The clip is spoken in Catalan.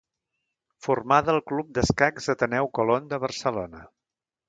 Formada al Club Escacs Ateneu Colón de Barcelona.